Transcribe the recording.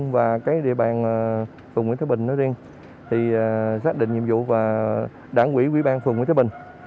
và địa bàn phường nguyễn thái bình xác định nhiệm vụ và đảng quỹ quý ban phường nguyễn thái bình